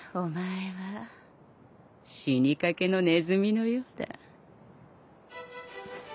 死にかけのネズミのようだ。